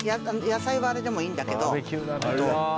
野菜はあれでもいいんだけど。